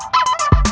kau mau kemana